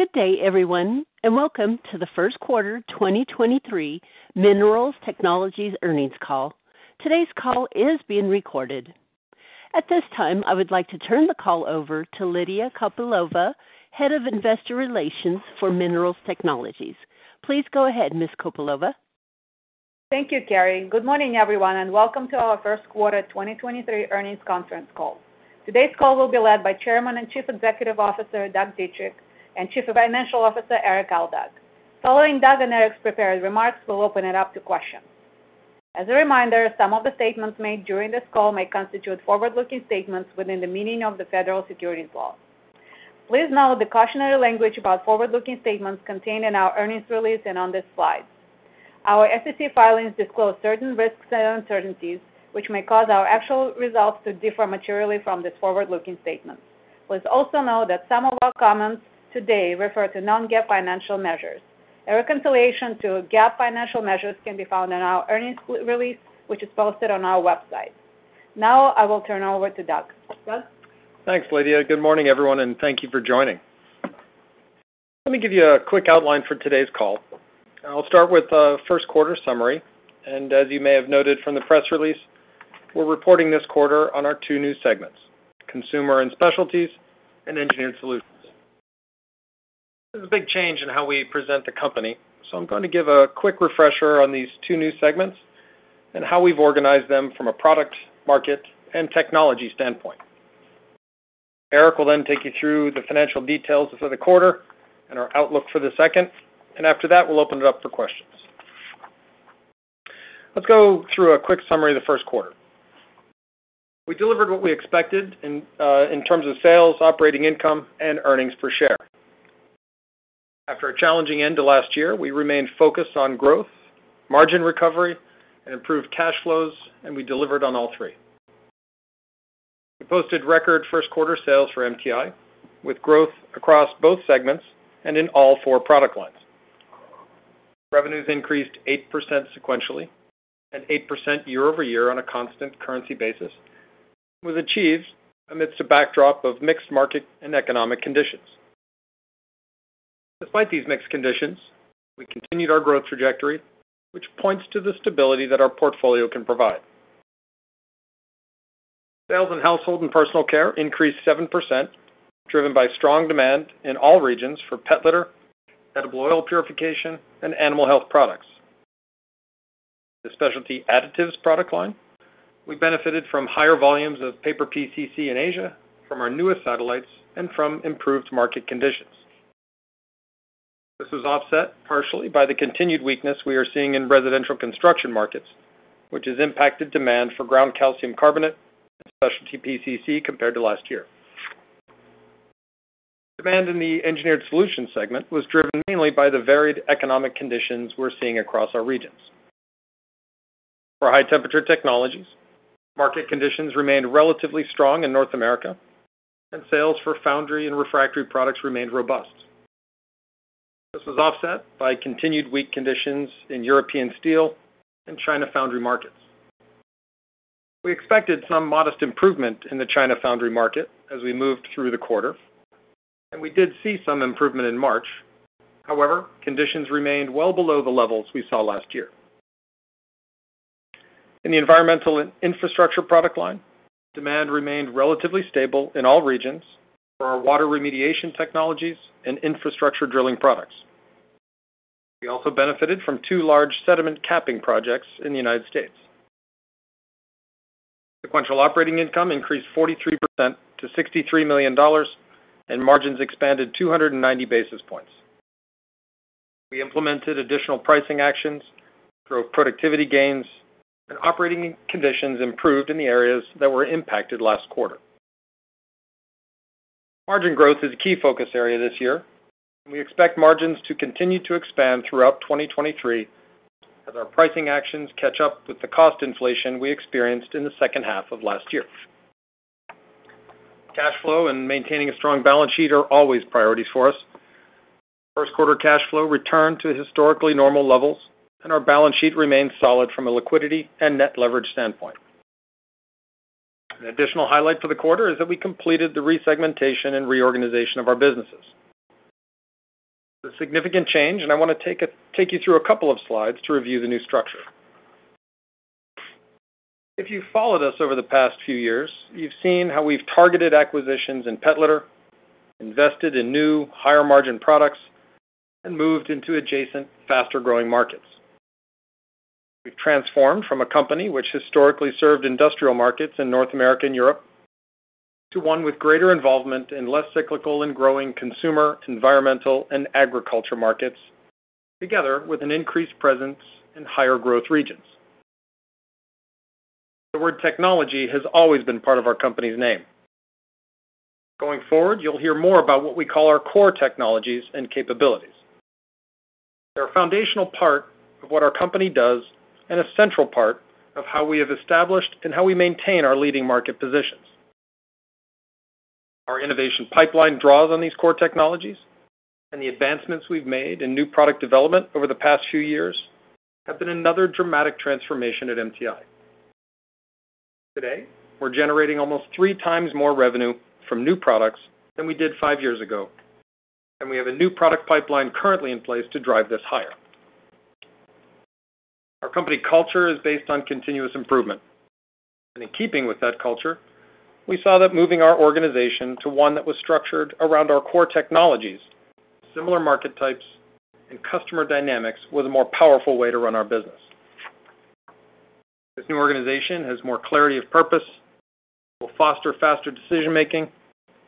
GGGGGGGGGGGGGGGGGGGGGGGood day, everyone, and welcome to the First Quarter 2023 Minerals Technologies Earnings Call. Today's call is being recorded. At this time, I would like to turn the call over to Lydia Kopylova, Head of Investor Relations for Minerals Technologies. Please go ahead, Ms. Kopylova. Thank you, Carrie. Good morning, everyone, and welcome to our First Quarter 2023 Earnings Conference Call. Today's call will be led by Chairman and Chief Executive Officer, Doug Dietrich, and Chief Financial Officer, Erik Aldag. Following Doug and Erik's prepared remarks, we'll open it up to questions. As a reminder, some of the statements made during this call may constitute forward-looking statements within the meaning of the federal securities laws. Please note the cautionary language about forward-looking statements contained in our earnings release and on this slide. Our SEC filings disclose certain risks and uncertainties which may cause our actual results to differ materially from these forward-looking statements. Please also know that some of our comments today refer to non-GAAP financial measures. A reconciliation to GAAP financial measures can be found in our earnings release, which is posted on our website. I will turn over to Doug. Doug? Thanks, Lydia. Good morning, everyone, and thank you for joining. Let me give you a quick outline for today's call. I'll start with a first quarter summary, and as you may have noted from the press release, we're reporting this quarter on our two new segments, Consumer & Specialties and Engineered Solutions. This is a big change in how we present the company, so I'm going to give a quick refresher on these two new segments and how we've organized them from a product, market, and technology standpoint. Erik will then take you through the financial details for the quarter and our outlook for the second. After that, we'll open it up for questions. Let's go through a quick summary of the first quarter. We delivered what we expected in terms of sales, operating income, and earnings per share. After a challenging end to last year, we remained focused on growth, margin recovery, and improved cash flows. We delivered on all three. We posted record first quarter sales for MTI, with growth across both segments and in all four product lines. Revenues increased 8% sequentially and 8% year-over-year on a constant currency basis. It was achieved amidst a backdrop of mixed market and economic conditions. Despite these mixed conditions, we continued our growth trajectory, which points to the stability that our portfolio can provide. Sales in Household & Personal Care increased 7%, driven by strong demand in all regions for pet litter, edible oil purification, and animal health products. The Specialty Additives product line, we benefited from higher volumes of paper PCC in Asia from our newest satellites and from improved market conditions. This was offset partially by the continued weakness we are seeing in residential construction markets, which has impacted demand for ground calcium carbonate and specialty PCC compared to last year. Demand in the Engineered Solutions segment was driven mainly by the varied economic conditions we're seeing across our regions. For High-Temperature Technologies, market conditions remained relatively strong in North America, and sales for foundry and refractory products remained robust. This was offset by continued weak conditions in European steel and China foundry markets. We expected some modest improvement in the China foundry market as we moved through the quarter, and we did see some improvement in March. However, conditions remained well below the levels we saw last year. In the Environmental & Infrastructure product line, demand remained relatively stable in all regions for our water remediation technologies and infrastructure drilling products. We also benefited from 2 large sediment capping projects in the United States. Sequential operating income increased 43% to $63 million, and margins expanded 290 basis points. We implemented additional pricing actions, growth productivity gains, and operating conditions improved in the areas that were impacted last quarter. Margin growth is a key focus area this year, and we expect margins to continue to expand throughout 2023 as our pricing actions catch up with the cost inflation we experienced in the second half of last year. Cash flow and maintaining a strong balance sheet are always priorities for us. First quarter cash flow returned to historically normal levels, and our balance sheet remains solid from a liquidity and net leverage standpoint. An additional highlight for the quarter is that we completed the resegmentation and reorganization of our businesses. A significant change. I want to take you through a couple of slides to review the new structure. If you've followed us over the past few years, you've seen how we've targeted acquisitions in pet litter, invested in new higher-margin products, and moved into adjacent, faster-growing markets. We've transformed from a company which historically served industrial markets in North America and Europe to one with greater involvement in less cyclical and growing consumer, environmental, and agriculture markets, together with an increased presence in higher growth regions. The word technology has always been part of our company's name. Going forward, you'll hear more about what we call our Core Technologies and capabilities. They're a foundational part of what our company does and a central part of how we have established and how we maintain our leading market positions. Our innovation pipeline draws on these core technologies. The advancements we've made in new product development over the past few years have been another dramatic transformation at MTI. Today, we're generating almost three times more revenue from new products than we did five years ago, and we have a new product pipeline currently in place to drive this higher. Our company culture is based on continuous improvement. In keeping with that culture, we saw that moving our organization to one that was structured around our core technologies, similar market types, and customer dynamics was a more powerful way to run our business. This new organization has more clarity of purpose, will foster faster decision-making,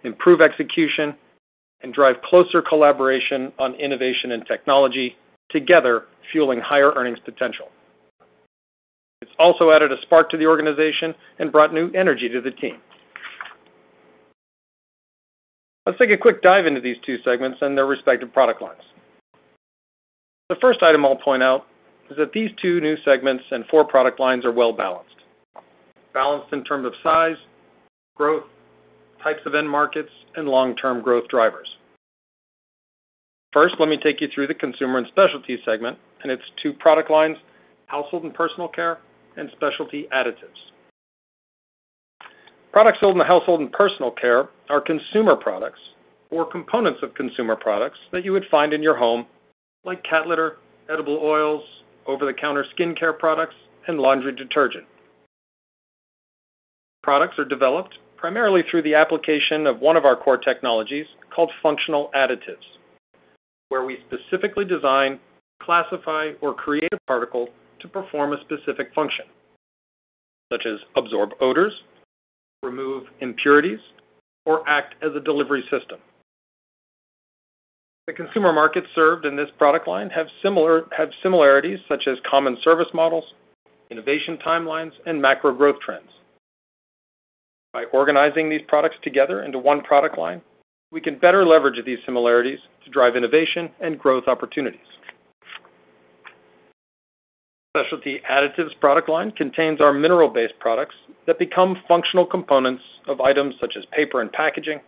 improve execution, and drive closer collaboration on innovation and technology, together fueling higher earnings potential. It's also added a spark to the organization and brought new energy to the team. Let's take a quick dive into these two segments and their respective product lines. The first item I'll point out is that these two new segments and four product lines are well-balanced. Balanced in terms of size, growth, types of end markets, and long-term growth drivers. Let me take you through the Consumer & Specialties segment and its two product lines, Household & Personal Care, and Specialty Additives. Products sold in the Household & Personal Care are consumer products or components of consumer products that you would find in your home, like cat litter, edible oils, over-the-counter skincare products, and laundry detergent. Products are developed primarily through the application of one of our core technologies called Functional Additives, where we specifically design, classify, or create a particle to perform a specific function, such as absorb odors, remove impurities, or act as a delivery system. The consumer markets served in this product line have similarities such as common service models, innovation timelines, and macro growth trends. Organizing these products together into one product line, we can better leverage these similarities to drive innovation and growth opportunities. Specialty Additives product line contains our mineral-based products that become functional components of items such as paper and packaging,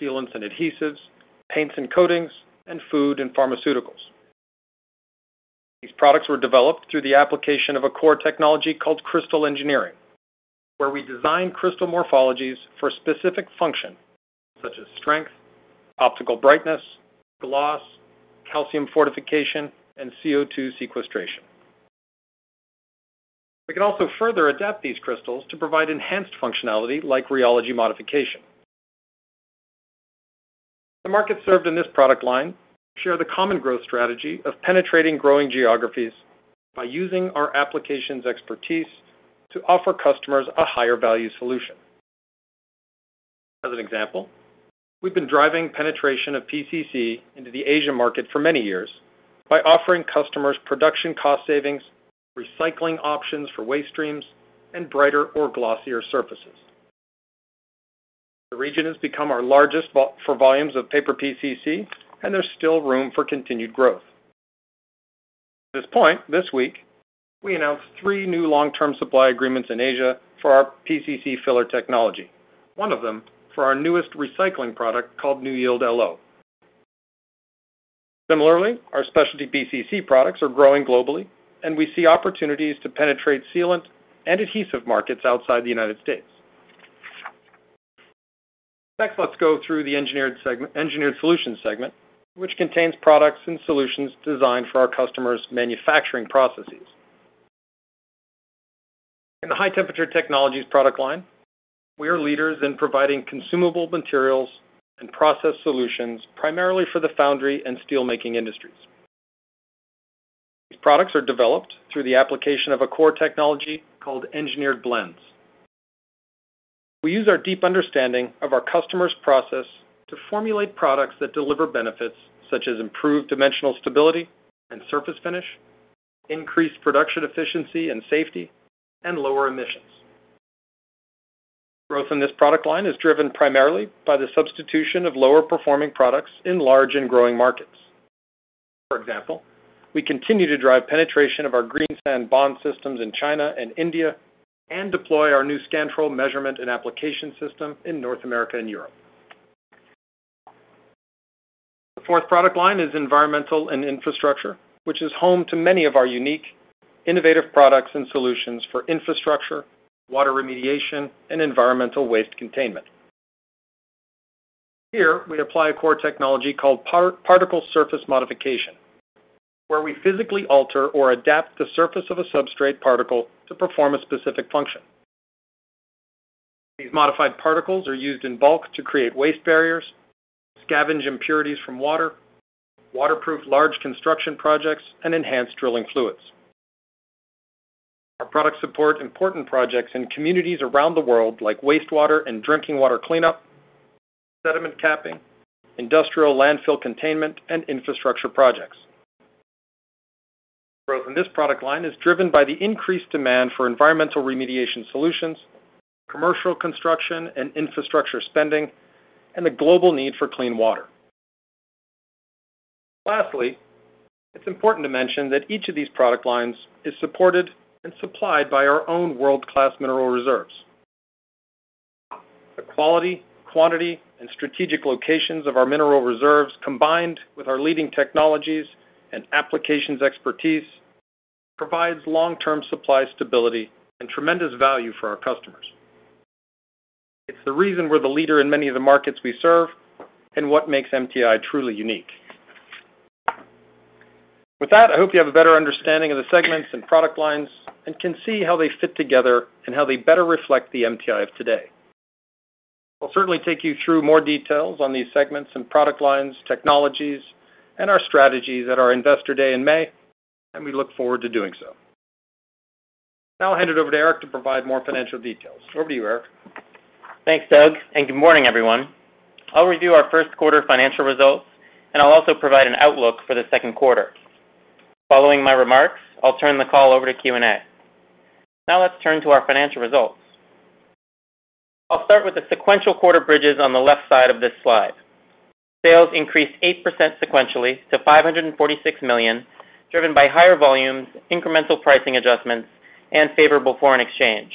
sealants and adhesives, paints and coatings, and food and pharmaceuticals. These products were developed through the application of a core technology called Crystal Engineering, where we design crystal morphologies for specific function, such as strength, optical brightness, gloss, calcium fortification, and CO2 sequestration. We can also further adapt these crystals to provide enhanced functionality like rheology modification. The market served in this product line share the common growth strategy of penetrating growing geographies by using our applications expertise to offer customers a higher value solution. As an example, we've been driving penetration of PCC into the Asian market for many years by offering customers production cost savings, recycling options for waste streams, and brighter or glossier surfaces. The region has become our largest for volumes of paper PCC. There's still room for continued growth. At this point, this week, we announced 3 new long-term supply agreements in Asia for our PCC filler technology. One of them for our newest recycling product called NEWYIELD LO. Similarly, our specialty PCC products are growing globally. We see opportunities to penetrate sealant and adhesive markets outside the United States. Let's go through the Engineered Solutions segment, which contains products and solutions designed for our customers' manufacturing processes. In the High-Temperature Technologies product line, we are leaders in providing consumable materials and process solutions primarily for the foundry and steelmaking industries. These products are developed through the application of a core technology called Engineered Blends. We use our deep understanding of our customer's process to formulate products that deliver benefits such as improved dimensional stability and surface finish, increased production efficiency and safety, and lower emissions. Growth in this product line is driven primarily by the substitution of lower performing products in large and growing markets. For example, we continue to drive penetration of our green sand bond systems in China and India and deploy our new Scantrol measurement and application system in North America and Europe. The fourth product line is Environmental & Infrastructure, which is home to many of our unique, innovative products and solutions for infrastructure, water remediation, and environmental waste containment. Here we apply a core technology called Particle Surface Modification, where we physically alter or adapt the surface of a substrate particle to perform a specific function. These modified particles are used in bulk to create waste barriers, scavenge impurities from water, waterproof large construction projects, and enhance drilling fluids. Our products support important projects in communities around the world like wastewater and drinking water cleanup, sediment capping, industrial landfill containment, and infrastructure projects. Growth in this product line is driven by the increased demand for environmental remediation solutions, commercial construction and infrastructure spending, and the global need for clean water. Lastly, it's important to mention that each of these product lines is supported and supplied by our own world-class mineral reserves. The quality, quantity, and strategic locations of our mineral reserves, combined with our leading technologies and applications expertise, provides long-term supply stability and tremendous value for our customers. It's the reason we're the leader in many of the markets we serve, what makes MTI truly unique. With that, I hope you have a better understanding of the segments and product lines, and can see how they fit together and how they better reflect the MTI of today. I'll certainly take you through more details on these segments and product lines, technologies, and our strategies at our Investor Day in May, and we look forward to doing so. Now I'll hand it over to Erik to provide more financial details. Over to you, Erik. Thanks, Doug. Good morning, everyone. I'll review our first quarter financial results. I'll also provide an outlook for the second quarter. Following my remarks, I'll turn the call over to Q&A. Let's turn to our financial results. I'll start with the sequential quarter bridges on the left side of this slide. Sales increased 8% sequentially to $546 million, driven by higher volumes, incremental pricing adjustments, and favorable foreign exchange.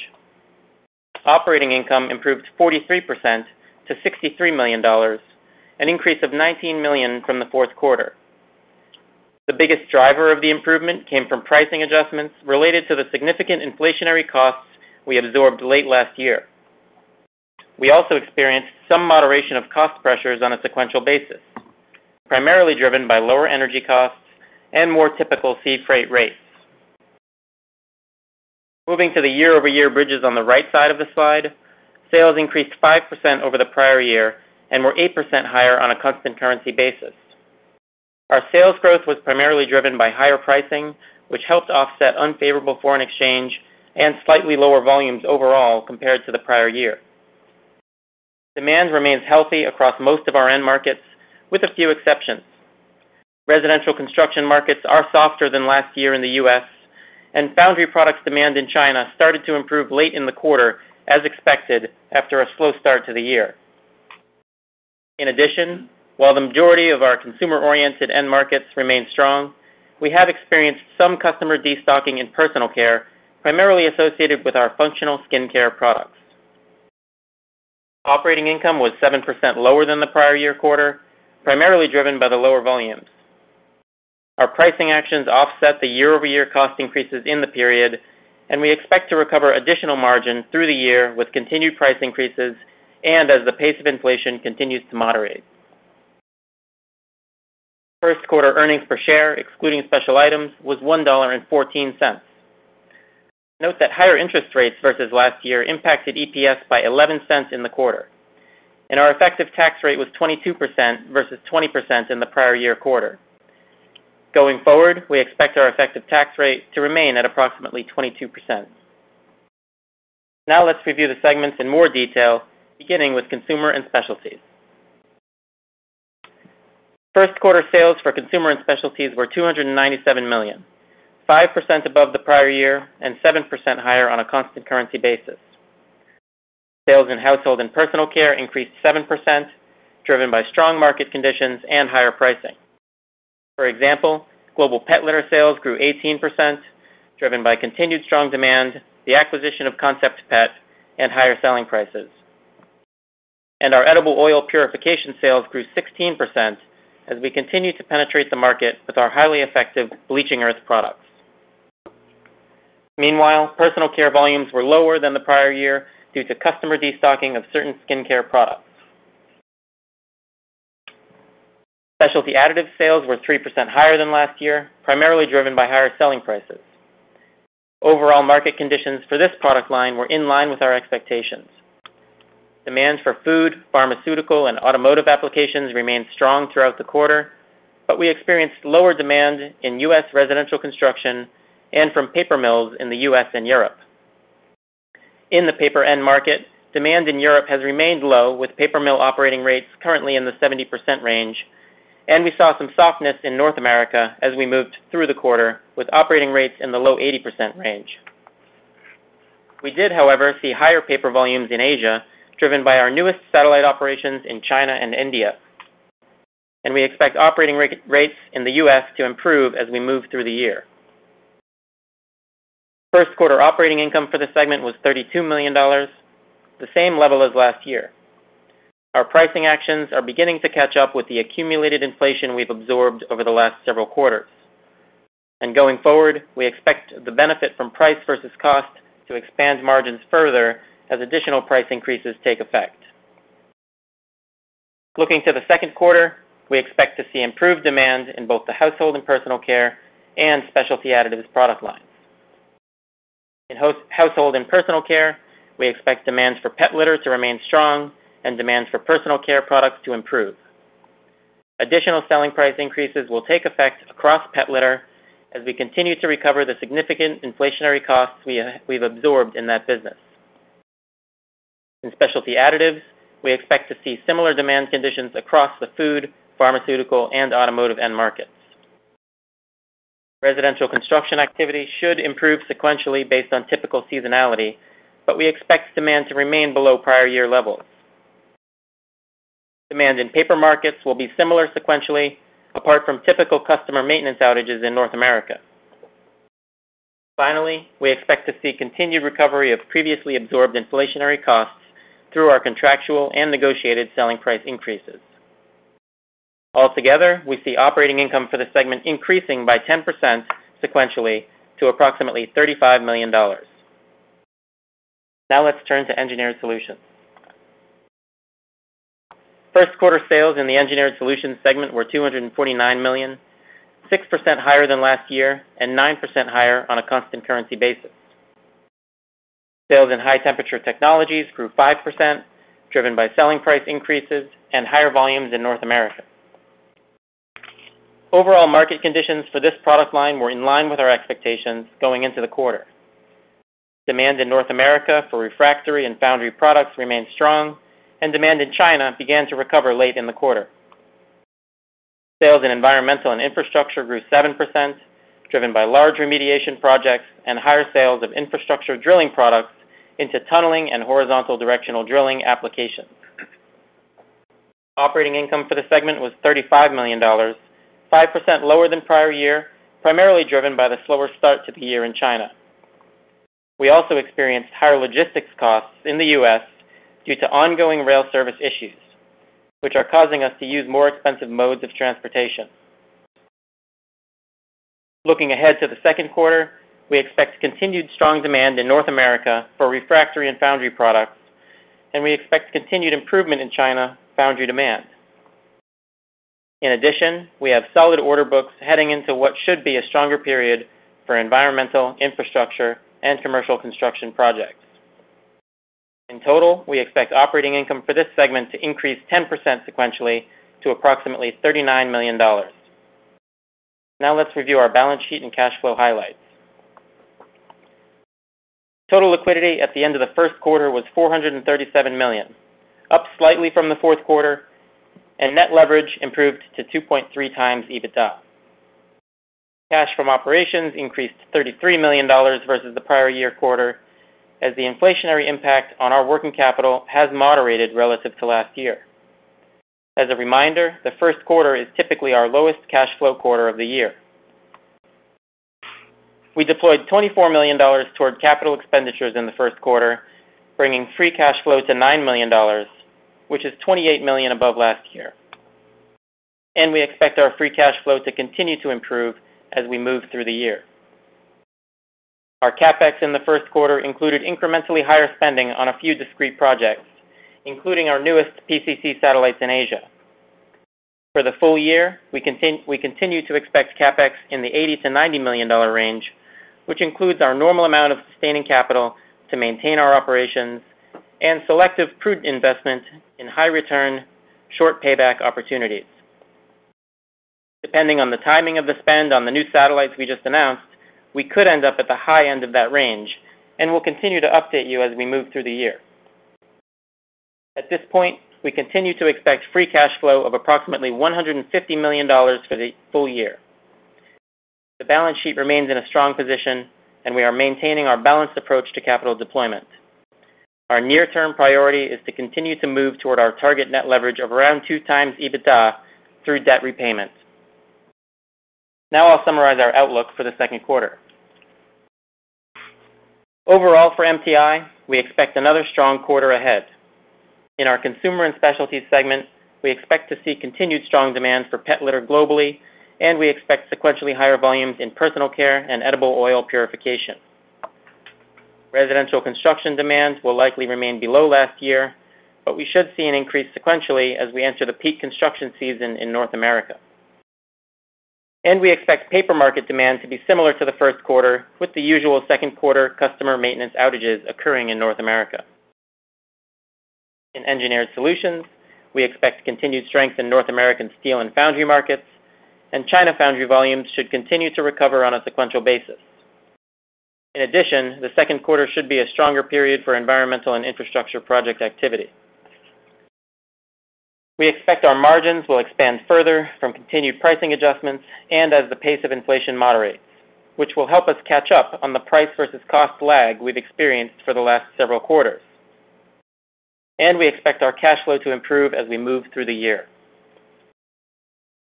Operating income improved 43% to $63 million, an increase of $19 million from the fourth quarter. The biggest driver of the improvement came from pricing adjustments related to the significant inflationary costs we absorbed late last year. We also experienced some moderation of cost pressures on a sequential basis, primarily driven by lower energy costs and more typical sea freight rates. Moving to the year-over-year bridges on the right side of the slide, sales increased 5% over the prior year and were 8% higher on a constant currency basis. Our sales growth was primarily driven by higher pricing, which helped offset unfavorable foreign exchange and slightly lower volumes overall compared to the prior year. Demand remains healthy across most of our end markets, with a few exceptions. Residential construction markets are softer than last year in the U.S., and foundry products demand in China started to improve late in the quarter, as expected, after a slow start to the year. While the majority of our consumer-oriented end markets remain strong, we have experienced some customer destocking in personal care, primarily associated with our functional skincare products. Operating income was 7% lower than the prior year quarter, primarily driven by the lower volumes. Our pricing actions offset the year-over-year cost increases in the period, and we expect to recover additional margin through the year with continued price increases and as the pace of inflation continues to moderate. First quarter earnings per share, excluding special items, was $1.14. Note that higher interest rates versus last year impacted EPS by $0.11 in the quarter, and our effective tax rate was 22% versus 20% in the prior year quarter. Going forward, we expect our effective tax rate to remain at approximately 22%. Now let's review the segments in more detail, beginning with Consumer & Specialties. First quarter sales for Consumer & Specialties were $297 million, 5% above the prior year and 7% higher on a constant currency basis. Sales in Household & Personal Care increased 7%, driven by strong market conditions and higher pricing. For example, global pet litter sales grew 18%, driven by continued strong demand, the acquisition of Concept Pet, and higher selling prices. Our edible oil purification sales grew 16% as we continue to penetrate the market with our highly effective bleaching earth products. Meanwhile, personal care volumes were lower than the prior year due to customer destocking of certain skincare products. Specialty Additives sales were 3% higher than last year, primarily driven by higher selling prices. Overall market conditions for this product line were in line with our expectations. Demands for food, pharmaceutical, and automotive applications remained strong throughout the quarter, we experienced lower demand in U.S. residential construction and from paper mills in the U.S. and Europe. In the paper end market, demand in Europe has remained low, with paper mill operating rates currently in the 70% range. We saw some softness in North America as we moved through the quarter, with operating rates in the low 80% range. We did, however, see higher paper volumes in Asia, driven by our newest satellite operations in China and India. We expect operating rates in the U.S. to improve as we move through the year. First quarter operating income for the segment was $32 million, the same level as last year. Our pricing actions are beginning to catch up with the accumulated inflation we've absorbed over the last several quarters. Going forward, we expect the benefit from price versus cost to expand margins further as additional price increases take effect. Looking to the second quarter, we expect to see improved demand in both the Household & Personal Care and Specialty Additives product lines. In Household & Personal Care, we expect demands for pet litter to remain strong and demands for personal care products to improve. Additional selling price increases will take effect across pet litter as we continue to recover the significant inflationary costs we've absorbed in that business. In Specialty Additives, we expect to see similar demand conditions across the food, pharmaceutical, and automotive end markets. Residential construction activity should improve sequentially based on typical seasonality, but we expect demand to remain below prior year levels. Demand in paper markets will be similar sequentially, apart from typical customer maintenance outages in North America. Finally, we expect to see continued recovery of previously absorbed inflationary costs through our contractual and negotiated selling price increases. Altogether, we see operating income for the segment increasing by 10% sequentially to approximately $35 million. Let's turn to Engineered Solutions. First quarter sales in the Engineered Solutions segment were $249 million, 6% higher than last year and 9% higher on a constant currency basis. Sales in High-Temperature Technologies grew 5%, driven by selling price increases and higher volumes in North America. Overall market conditions for this product line were in line with our expectations going into the quarter. Demand in North America for refractory and foundry products remained strong, and demand in China began to recover late in the quarter. Sales in Environmental & Infrastructure grew 7%, driven by large remediation projects and higher sales of infrastructure drilling products into tunneling and horizontal directional drilling applications. Operating income for the segment was $35 million, 5% lower than prior year, primarily driven by the slower start to the year in China. We also experienced higher logistics costs in the U.S. due to ongoing rail service issues, which are causing us to use more expensive modes of transportation. Looking ahead to the second quarter, we expect continued strong demand in North America for refractory and foundry products, and we expect continued improvement in China foundry demand. In addition, we have solid order books heading into what should be a stronger period for environmental, infrastructure, and commercial construction projects. In total, we expect operating income for this segment to increase 10% sequentially to approximately $39 million. Now let's review our balance sheet and cash flow highlights. Total liquidity at the end of the first quarter was $437 million, up slightly from the fourth quarter, and net leverage improved to 2.3 times EBITDA. Cash from operations increased $33 million versus the prior year quarter as the inflationary impact on our working capital has moderated relative to last year. As a reminder, the first quarter is typically our lowest cash flow quarter of the year. We deployed $24 million toward capital expenditures in the first quarter, bringing free cash flow to $9 million, which is $28 million above last year. We expect our free cash flow to continue to improve as we move through the year. Our CapEx in the first quarter included incrementally higher spending on a few discrete projects, including our newest PCC satellites in Asia. For the full year, we continue to expect CapEx in the $80 million-$90 million range, which includes our normal amount of sustaining capital to maintain our operations and selective prudent investment in high return, short payback opportunities. Depending on the timing of the spend on the new satellites we just announced, we could end up at the high end of that range, and we'll continue to update you as we move through the year. At this point, we continue to expect free cash flow of approximately $150 million for the full year. The balance sheet remains in a strong position, and we are maintaining our balanced approach to capital deployment. Our near-term priority is to continue to move toward our target net leverage of around 2 times EBITDA through debt repayments. Now I'll summarize our outlook for the second quarter. Overall, for MTI, we expect another strong quarter ahead. In our Consumer & Specialties segments, we expect to see continued strong demand for pet litter globally, and we expect sequentially higher volumes in personal care and edible oil purification. Residential construction demands will likely remain below last year, but we should see an increase sequentially as we enter the peak construction season in North America. We expect paper market demand to be similar to the first quarter, with the usual second quarter customer maintenance outages occurring in North America. In Engineered Solutions, we expect continued strength in North American steel and foundry markets, and China foundry volumes should continue to recover on a sequential basis. The second quarter should be a stronger period for Environmental & Infrastructure project activity. We expect our margins will expand further from continued pricing adjustments and as the pace of inflation moderates, which will help us catch up on the price versus cost lag we've experienced for the last several quarters. We expect our cash flow to improve as we move through the year.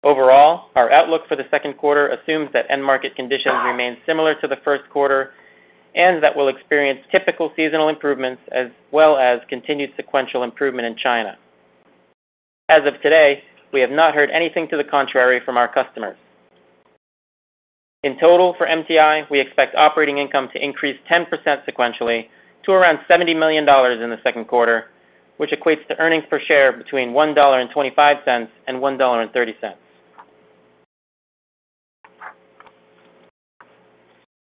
Overall, our outlook for the second quarter assumes that end market conditions remain similar to the first quarter and that we'll experience typical seasonal improvements as well as continued sequential improvement in China. As of today, we have not heard anything to the contrary from our customers. In total, for MTI, we expect operating income to increase 10% sequentially to around $70 million in the second quarter, which equates to earnings per share between $1.25 and $1.30.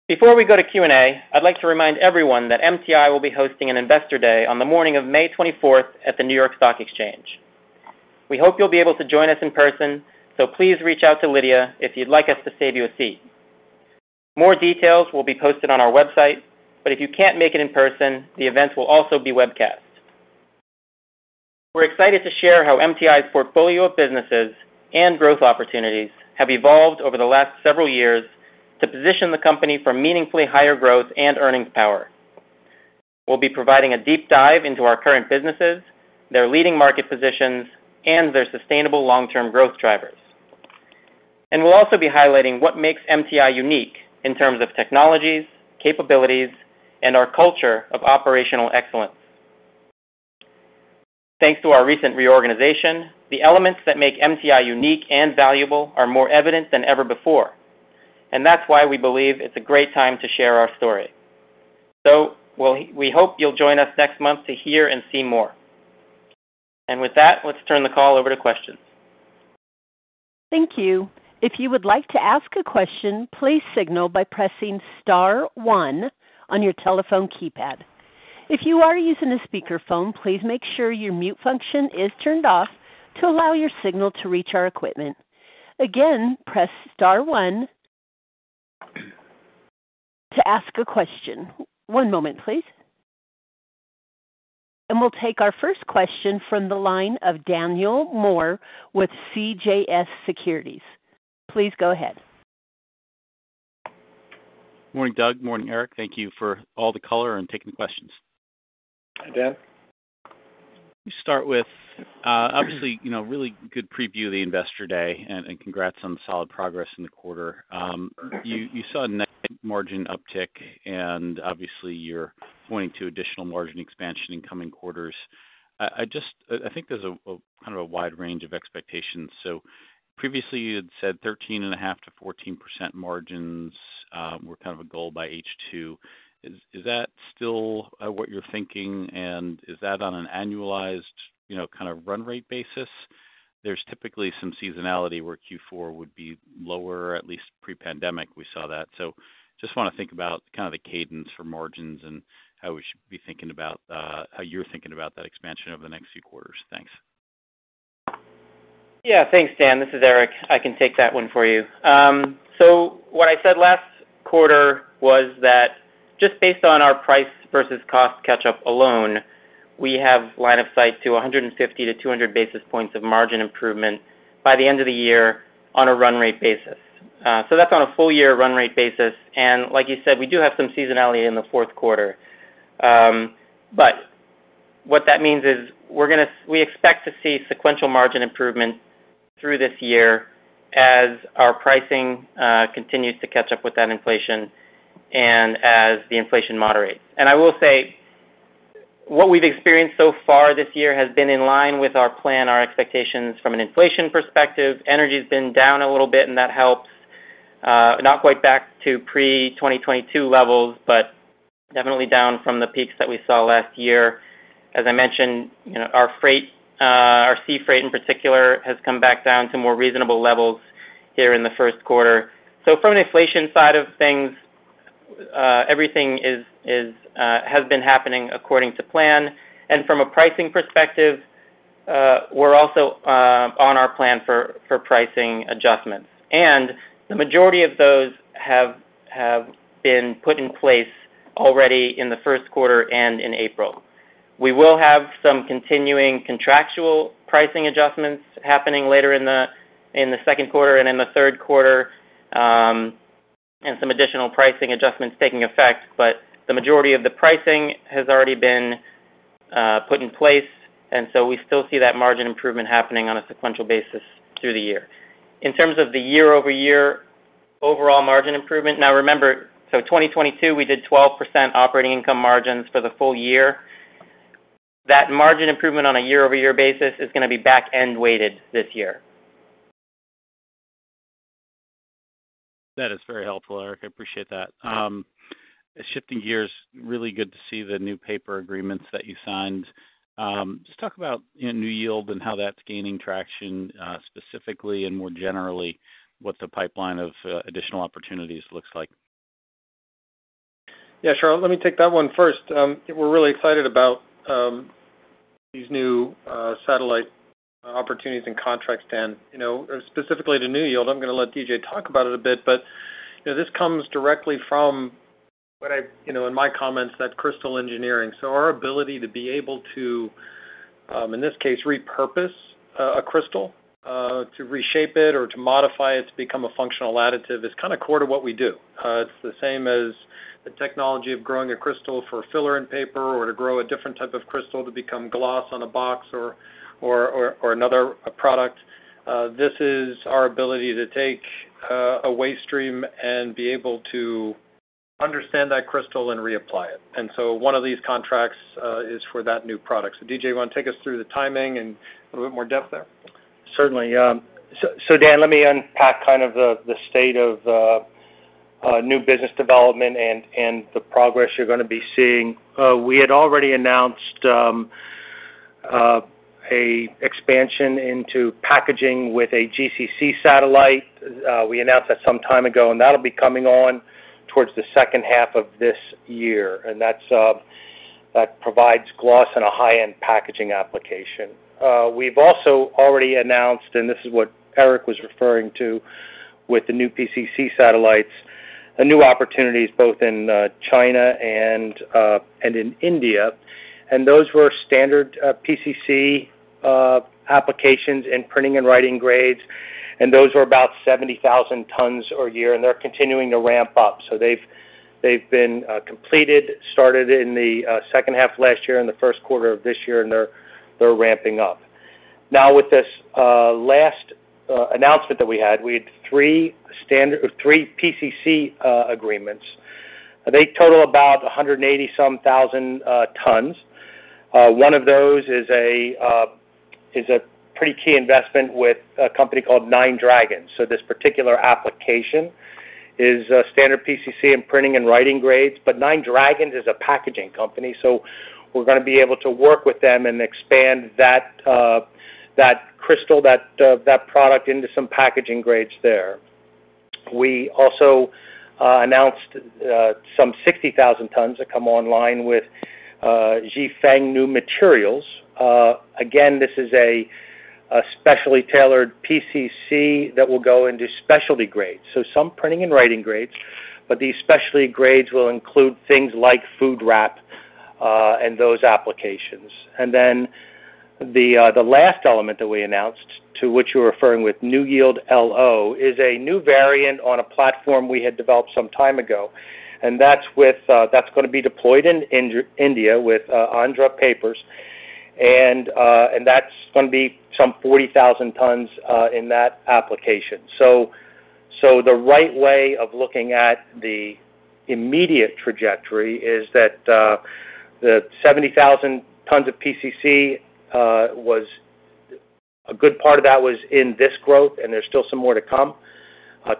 Before we go to Q&A, I'd like to remind everyone that MTI will be hosting an Investor Day on the morning of May 24th at the New York Stock Exchange. We hope you'll be able to join us in person, so please reach out to Lydia if you'd like us to save you a seat. More details will be posted on our website, but if you can't make it in person, the event will also be webcast. We're excited to share how MTI's portfolio of businesses and growth opportunities have evolved over the last several years to position the company for meaningfully higher growth and earnings power. We'll be providing a deep dive into our current businesses, their leading market positions, and their sustainable long-term growth drivers. We'll also be highlighting what makes MTI unique in terms of technologies, capabilities, and our culture of operational excellence. Thanks to our recent reorganization, the elements that make MTI unique and valuable are more evident than ever before. That's why we believe it's a great time to share our story. We hope you'll join us next month to hear and see more. With that, let's turn the call over to questions. Thank you. If you would like to ask a question, please signal by pressing star one on your telephone keypad. If you are using a speakerphone, please make sure your mute function is turned off to allow your signal to reach our equipment. Again, press star one to ask a question. One moment, please. We'll take our first question from the line of `. Please go ahead. Morning, Doug. Morning, Erik. Thank you for all the color and taking the questions. Hi, Dan. Let me start with, obviously, you know, really good preview of the Investor Day, and congrats on the solid progress in the quarter. You saw a net margin uptick, and obviously, you're pointing to additional margin expansion in coming quarters. I think there's a kind of a wide range of expectations. Previously, you had said 13.5%-14% margins were kind of a goal by H2. Is that still what you're thinking? Is that on an annualized, you know, kind of run rate basis? There's typically some seasonality where Q4 would be lower, or at least pre-pandemic, we saw that. Just wanna think about kind of the cadence for margins and how we should be thinking about how you're thinking about that expansion over the next few quarters. Thanks. Thanks, Dan. This is Erik. I can take that one for you. What I said last quarter was that just based on our price versus cost catch-up alone, we have line of sight to 150-200 basis points of margin improvement by the end of the year on a run rate basis. That's on a full year run rate basis. Like you said, we do have some seasonality in the fourth quarter. What that means is we expect to see sequential margin improvements through this year as our pricing continues to catch up with that inflation and as the inflation moderates. I will say what we've experienced so far this year has been in line with our plan, our expectations from an inflation perspective. Energy's been down a little bit, and that helps. Not quite back to pre-2022 levels, but definitely down from the peaks that we saw last year. As I mentioned, you know, our freight, our sea freight in particular, has come back down to more reasonable levels here in the first quarter. From an inflation side of things, everything has been happening according to plan. From a pricing perspective, we're also on our plan for pricing adjustments. The majority of those have been put in place already in the first quarter and in April. We will have some continuing contractual pricing adjustments happening later in the second quarter and in the third quarter, and some additional pricing adjustments taking effect, but the majority of the pricing has already been put in place. We still see that margin improvement happening on a sequential basis through the year. In terms of the year-over-year overall margin improvement. Remember, 2022, we did 12% operating income margins for the full year. That margin improvement on a year-over-year basis is gonna be back-end weighted this year. That is very helpful, Erik. I appreciate that. Shifting gears, really good to see the new paper agreements that you signed. Just talk about NEWYIELD and how that's gaining traction, specifically and more generally, what the pipeline of additional opportunities looks like. Yeah, sure. Let me take that one first. We're really excited about these new satellite opportunities and contracts, Dan. You know, specifically to NEWYIELD, I'm gonna let DJ talk about it a bit, but, you know, this comes directly from what I've. You know, in my comments, that Crystal Engineering. Our ability to be able to, in this case, repurpose a crystal to reshape it or to modify it to become a functional additive is kinda core to what we do. It's the same as the technology of growing a crystal for filler in paper or to grow a different type of crystal to become gloss on a box or another product. This is our ability to take a waste stream and be able to understand that crystal and reapply it. One of these contracts, is for that new product. D.J., you wanna take us through the timing in a little bit more depth there? Certainly. Dan, let me unpack kind of the state of new business development and the progress you're going to be seeing. We had already announced an expansion into packaging with a GCC satellite. We announced that some time ago, and that will be coming on towards the second half of this year, and that provides gloss in a high-end packaging application. We've also already announced, and this is what Erik was referring to with the new PCC satellites, the new opportunities both in China and in India, and those were standard PCC applications in printing and writing grades. Those are about 70,000 tons a year, and they're continuing to ramp up. They've been completed, started in the second half of last year and the first quarter of this year, and they're ramping up. Now, with this last announcement that we had, we had three PCC agreements. They total about 180 some thousand tons. One of those is a pretty key investment with a company called Nine Dragons. This particular application is a standard PCC in printing and writing grades. Nine Dragons is a packaging company, so we're gonna be able to work with them and expand that crystal, that product into some packaging grades there. We also announced some 60,000 tons that come online with Zhifeng New Materials. Again, this is a specially tailored PCC that will go into specialty grades. Some printing and writing grades, but the specialty grades will include things like food wrap, and those applications. The last element that we announced, to which you're referring with NEWYIELD LO, is a new variant on a platform we had developed some time ago. That's gonna be deployed in India with Andhra Paper. That's gonna be some 40,000 tons in that application. The right way of looking at the immediate trajectory is that the 70,000 tons of PCC was a good part of that was in this growth, and there's still some more to come.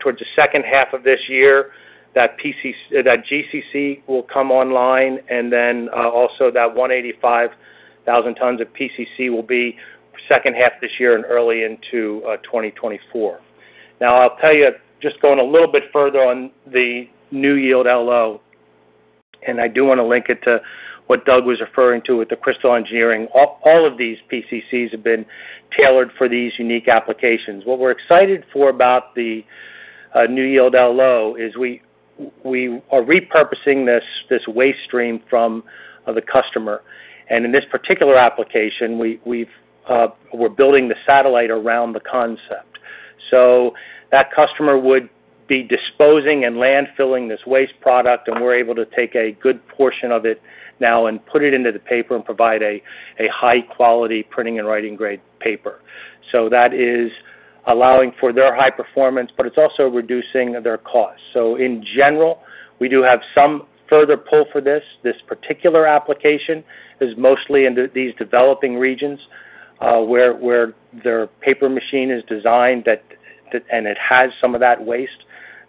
Towards the second half of this year, that GCC will come online, also that 185,000 tons of PCC will be second half this year and early into 2024. I'll tell you, just going a little bit further on the NEWYIELD LO, I do wanna link it to what Doug was referring to with the Crystal Engineering. All of these PCCs have been tailored for these unique applications. What we're excited for about the NEWYIELD LO is we are repurposing this waste stream from the customer. In this particular application, we're building the satellite around the concept. That customer would be disposing and landfilling this waste product, and we're able to take a good portion of it now and put it into the paper and provide a high-quality printing and writing grade paper. That is allowing for their high performance, but it's also reducing their costs. In general, we do have some further pull for this. This particular application is mostly in these developing regions, where their paper machine is designed that and it has some of that waste.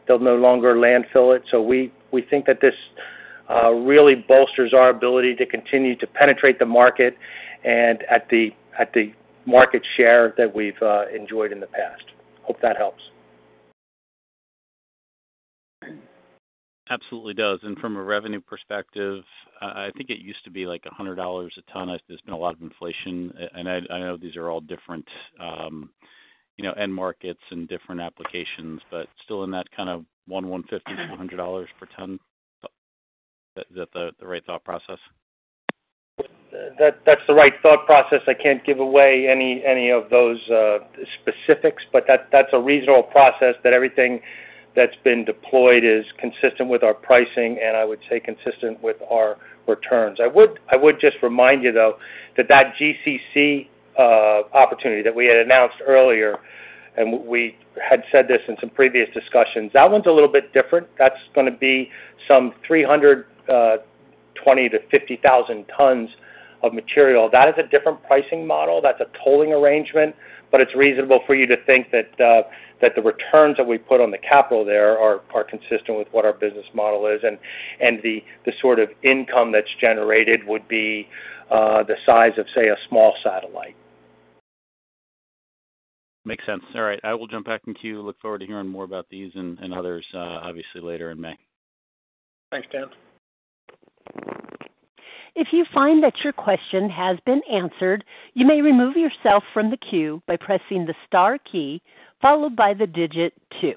They'll no longer landfill it. We think that this really bolsters our ability to continue to penetrate the market and at the market share that we've enjoyed in the past. Hope that helps. Absolutely does. From a revenue perspective, I think it used to be like $100 a ton. There's been a lot of inflation. I know these are all different, you know, end markets and different applications, but still in that kind of $150-$200 per ton. Is that the right thought process? That's the right thought process. I can't give away any of those specifics, but that's a reasonable process that everything that's been deployed is consistent with our pricing and I would say consistent with our returns. I would just remind you though, that GCC opportunity that we had announced earlier, and we had said this in some previous discussions, that one's a little bit different. That's gonna be some 320,000-350,000 tons of material. That is a different pricing model. That's a tolling arrangement. It's reasonable for you to think that the returns that we put on the capital there are consistent with what our business model is, and the sort of income that's generated would be the size of, say, a small satellite. Makes sense. All right. I will jump back in queue. Look forward to hearing more about these and others, obviously later in May. Thanks, Dan. If you find that your question has been answered, you may remove yourself from the queue by pressing the star key, followed by the digit 2.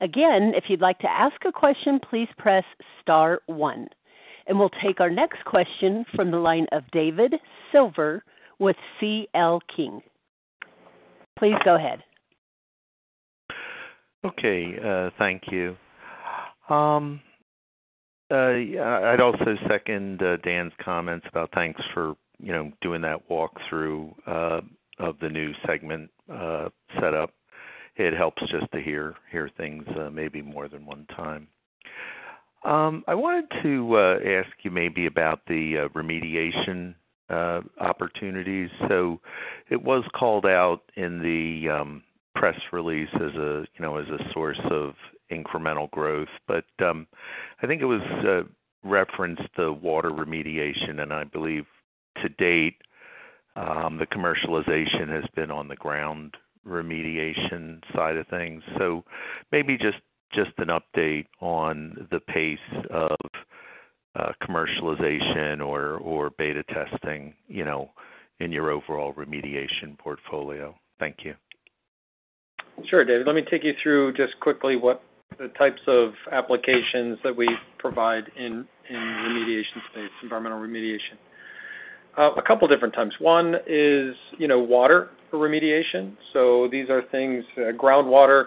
Again, if you'd like to ask a question, please press star 1. We'll take our next question from the line of David Silver with CL King & Associates. Please go ahead. Okay, thank you. Yeah, I'd also second Dan's comments about thanks for, you know, doing that walkthrough of the new segment set up. It helps just to hear things maybe more than one time. I wanted to ask you maybe about the remediation opportunities. It was called out in the press release as a, you know, as a source of incremental growth. I think it was referenced the water remediation, and I believe to date, the commercialization has been on the ground remediation side of things. Maybe just an update on the pace of commercialization or beta testing, you know, in your overall remediation portfolio. Thank you. Sure, David. Let me take you through just quickly what the types of applications that we provide in remediation space, environmental remediation. A couple different times. One is, you know, water remediation. These are things, groundwater,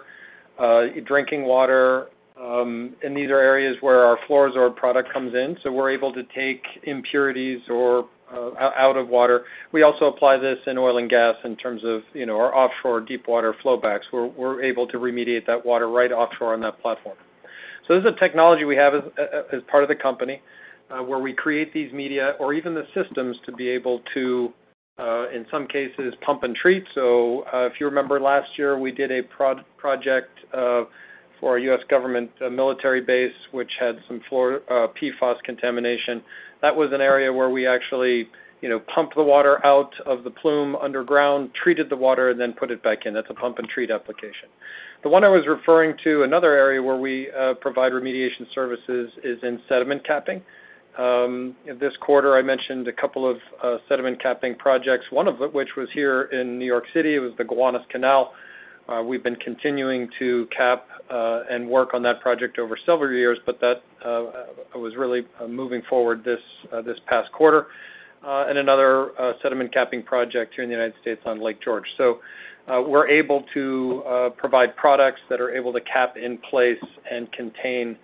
drinking water, and these are areas where our FLUORO-SORB® product comes in, so we're able to take impurities or out of water. We also apply this in oil and gas in terms of, you know, our offshore deep water flow backs, where we're able to remediate that water right offshore on that platform. This is a technology we have as part of the company, where we create these media or even the systems to be able to, in some cases, pump and treat. If you remember last year, we did a project for a U.S. government military base, which had some PFOS contamination. That was an area where we actually, you know, pumped the water out of the plume underground, treated the water, and then put it back in. That's a pump-and-treat application. The one I was referring to, another area where we provide remediation services, is in sediment capping. This quarter, I mentioned a couple of sediment capping projects, one of which was here in New York City. It was the Gowanus Canal. We've been continuing to cap and work on that project over several years, but that was really moving forward this past quarter. Another sediment capping project here in the United States on Lake George. We're able to provide products that are able to cap in place and contain,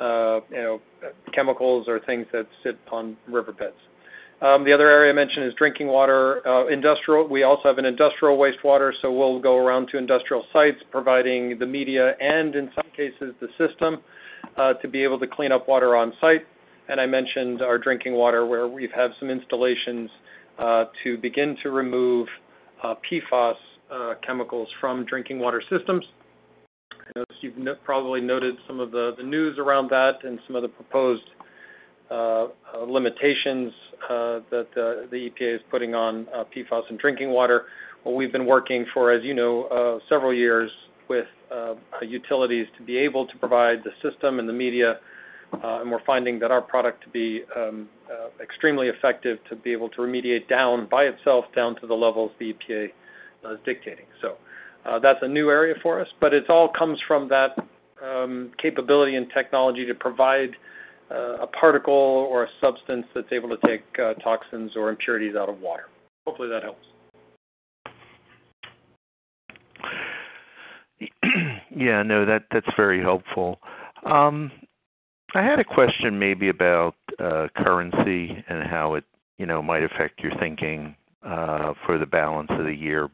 you know, chemicals or things that sit upon riverbeds. The other area I mentioned is drinking water. Industrial. We also have an industrial wastewater, so we'll go around to industrial sites providing the media and in some cases, the system, to be able to clean up water on site. I mentioned our drinking water, where we've had some installations, to begin to remove PFOS chemicals from drinking water systems. I notice you've probably noted some of the news around that and some of the proposed limitations that the EPA is putting on PFOS in drinking water. Well, we've been working for, as you know, several years with utilities to be able to provide the system and the media, and we're finding that our product to be extremely effective to be able to remediate down, by itself, down to the levels the EPA is dictating. That's a new area for us, but it all comes from that capability and technology to provide a particle or a substance that's able to take toxins or impurities out of water. Hopefully, that helps. Yeah. No, that's very helpful. I had a question maybe about currency and how it, you know, might affect your thinking for the balance of the year.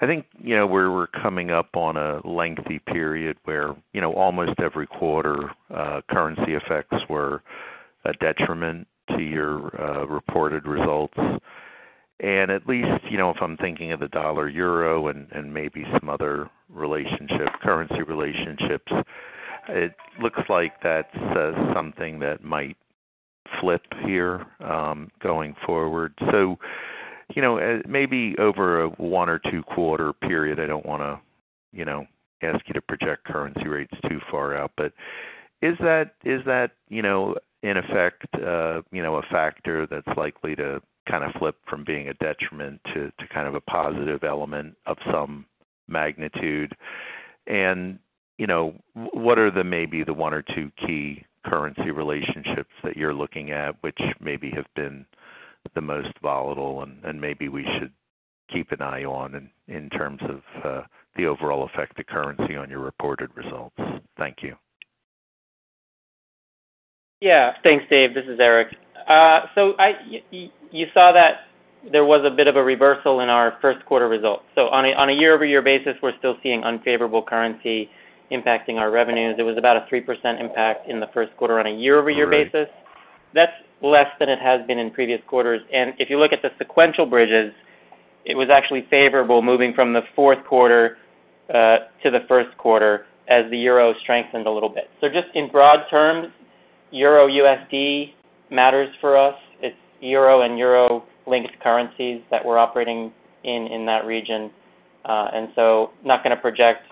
I think, you know, we're coming up on a lengthy period where, you know, almost every quarter, currency effects were a detriment to your reported results. At least, you know, if I'm thinking of the dollar/euro and maybe some other relationship, currency relationships, it looks like that's something that might flip here going forward. You know, maybe over a one or two-quarter period, I don't wanna, you know, ask you to project currency rates too far out, but is that, you know, in effect, you know, a factor that's likely to kind of flip from being a detriment to kind of a positive element of some magnitude? You know, what are the maybe the one or two key currency relationships that you're looking at which maybe have been the most volatile and maybe we should keep an eye on in terms of, the overall effect of currency on your reported results? Thank you. Yeah. Thanks, Dave. This is Erik. You saw that there was a bit of a reversal in our first quarter results. On a year-over-year basis, we're still seeing unfavorable currency impacting our revenues. It was about a 3% impact in the first quarter on a year-over-year basis. Right. That's less than it has been in previous quarters. If you look at the sequential bridges, it was actually favorable moving from the fourth quarter to the first quarter as the euro strengthened a little bit. Just in broad terms, euro/USD matters for us. It's euro and euro-linked currencies that we're operating in that region. Not gonna project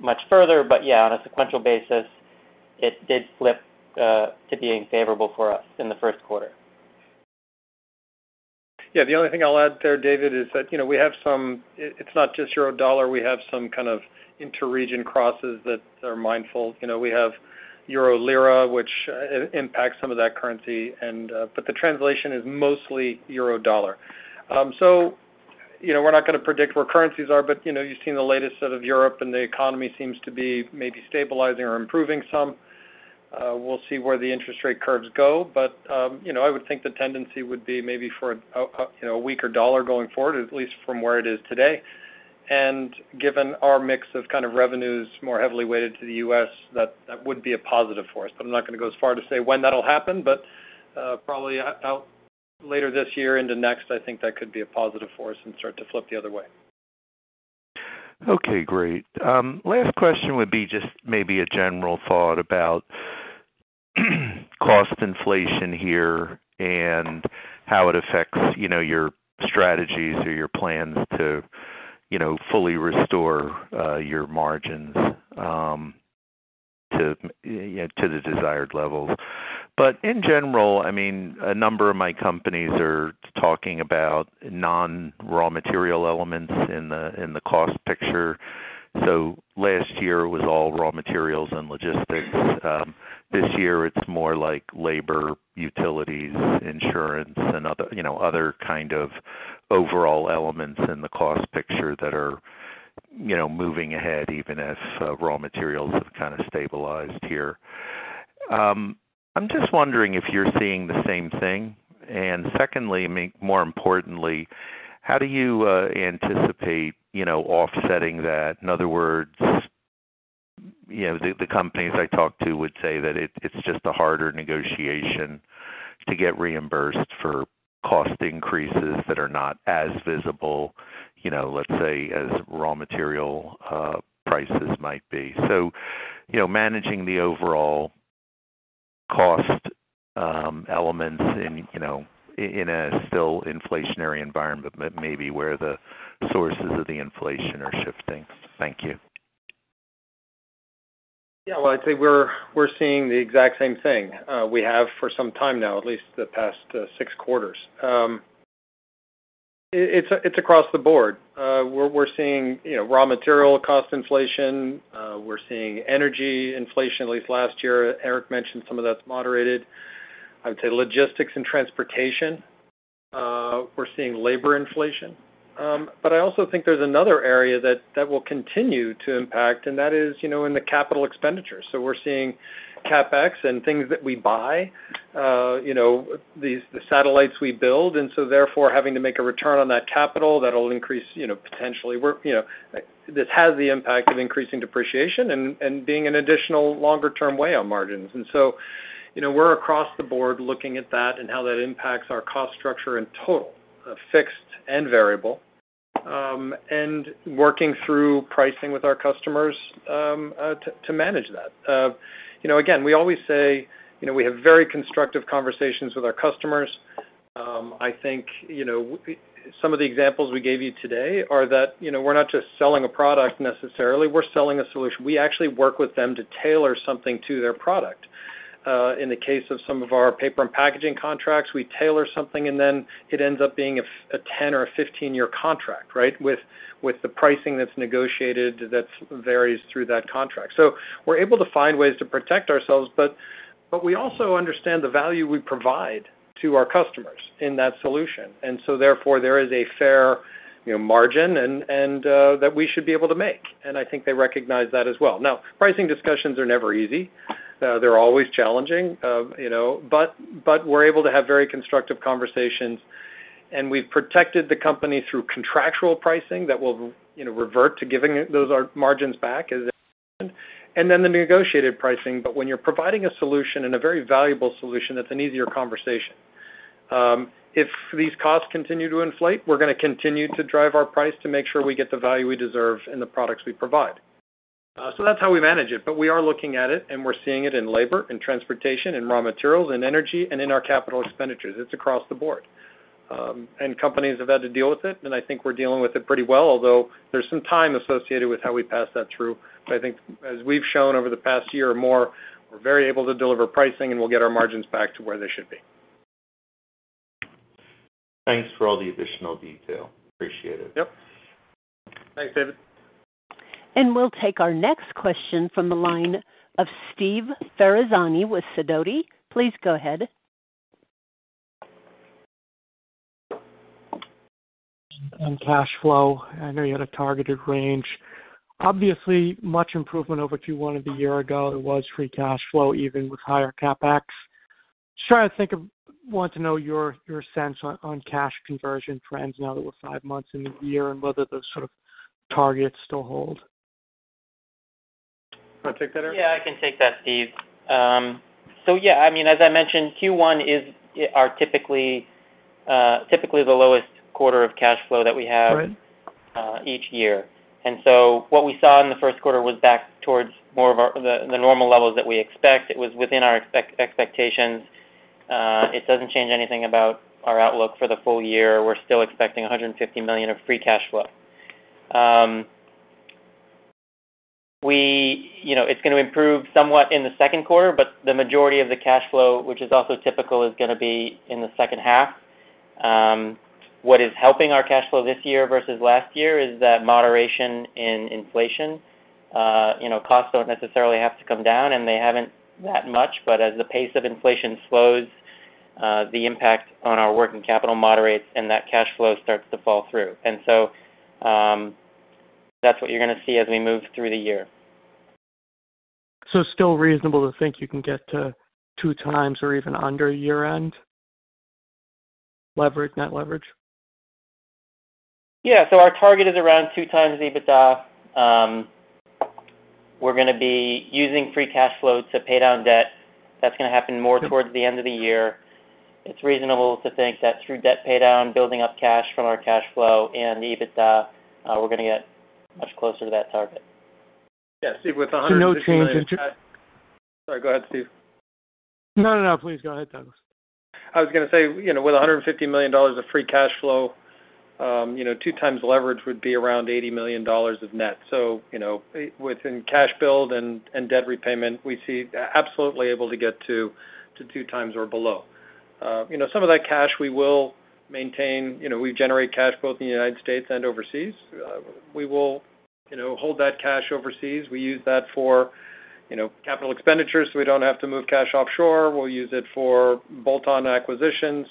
much further, but yeah, on a sequential basis, it did flip to being favorable for us in the first quarter. Yeah. The only thing I'll add there, David, is that, you know, we have some. It's not just euro/dollar. We have some kind of inter-region crosses that are mindful. You know, we have euro/lira, which impacts some of that currency, and the translation is mostly euro/dollar. You know, we're not gonna predict where currencies are. You've seen the latest out of Europe, the economy seems to be maybe stabilizing or improving some. We'll see where the interest rate curves go. You know, I would think the tendency would be maybe for, you know, a weaker dollar going forward, at least from where it is today. Given our mix of kind of revenues more heavily weighted to the U.S., that would be a positive for us. I'm not gonna go as far to say when that'll happen. Probably later this year into next, I think that could be a positive for us and start to flip the other way. Okay, great. Last question would be just maybe a general thought about cost inflation here and how it affects, you know, your strategies or your plans to, you know, fully restore your margins to, you know, to the desired levels. In general, I mean, a number of my companies are talking about non-raw material elements in the, in the cost picture. So last year was all raw materials and logistics. This year it's more like labor, utilities, insurance, and other, you know, other kind of overall elements in the cost picture that are, you know, moving ahead even as raw materials have kinda stabilized here. I'm just wondering if you're seeing the same thing. Secondly, I mean, more importantly, how do you anticipate, you know, offsetting that? In other words, you know, the companies I talk to would say that it's just a harder negotiation to get reimbursed for cost increases that are not as visible, you know, let's say as raw material, prices might be. You know, managing the overall cost, elements in a still inflationary environment may be where the sources of the inflation are shifting. Thank you. Yeah. Well, I'd say we're seeing the exact same thing, we have for some time now, at least the past six quarters. It's across the board. We're seeing, you know, raw material cost inflation. We're seeing energy inflation, at least last year. Erik mentioned some of that's moderated. I would say logistics and transportation. We're seeing labor inflation. I also think there's another area that will continue to impact, and that is, you know, in the capital expenditures. We're seeing CapEx and things that we buy, you know, the satellites we build, therefore, having to make a return on that capital that'll increase, you know, potentially work. You know, this has the impact of increasing depreciation and being an additional longer term way on margins. You know, we're across the board looking at that and how that impacts our cost structure in total, fixed and variable, and working through pricing with our customers to manage that. You know, again, we always say, you know, we have very constructive conversations with our customers. I think, you know, some of the examples we gave you today are that, you know, we're not just selling a product necessarily, we're selling a solution. We actually work with them to tailor something to their product. In the case of some of our paper and packaging contracts, we tailor something, and then it ends up being a 10 or a 15-year contract, right? With the pricing that's negotiated that's varies through that contract. We're able to find ways to protect ourselves, but we also understand the value we provide to our customers in that solution. Therefore, there is a fair, you know, margin and that we should be able to make. I think they recognize that as well. Now, pricing discussions are never easy. They're always challenging, you know. We're able to have very constructive conversations, and we've protected the company through contractual pricing that will, you know, revert to giving it those margins back as Thanks for all the additional detail. Appreciate it. Yep. Thanks, David. We'll take our next question from the line of Steve Ferazani with Sidoti. Please go ahead. On cash flow, I know you had a targeted range. Obviously, much improvement over Q1 of the year ago. It was free cash flow, even with higher CapEx. Just wanting to know your sense on cash conversion trends now that we're five months in the year and whether those sort of targets still hold? You wanna take that, Erik? I can take that, Steve. I mean, as I mentioned, Q1 is, are typically the lowest quarter of cash flow that we have each year. What we saw in the first quarter was back towards more of our normal levels that we expect. It was within our expectations. It doesn't change anything about our outlook for the full year. We're still expecting $150 million of free cash flow. You know, it's gonna improve somewhat in the second quarter, but the majority of the cash flow, which is also typical, is gonna be in the second half. What is helping our cash flow this year versus last year is that moderation in inflation. You know, costs don't necessarily have to come down, and they haven't that much. As the pace of inflation slows, the impact on our working capital moderates and that cash flow starts to fall through. That's what you're gonna see as we move through the year. It's still reasonable to think you can get to 2x or even under year-end leverage, net leverage? Yeah. Our target is around 2 times EBITDA. We're gonna be using free cash flow to pay down debt. That's gonna happen more towards the end of the year. It's reasonable to think that through debt pay down, building up cash from our cash flow and EBITDA, we're gonna get much closer to that target. Yeah. Steve, with a $150 million- No changes. Sorry, go ahead, Steve. No, no. Please go ahead, Douglas. I was gonna say, you know, with $150 million of free cash flow, you know, two times leverage would be around $80 million of net. You know, within cash build and debt repayment, we see absolutely able to get to two times or below. Some of that cash we will maintain. You know, we generate cash both in the United States and overseas. We will, you know, hold that cash overseas. We use that for, you know, capital expenditures, so we don't have to move cash offshore. We'll use it for bolt-on acquisitions,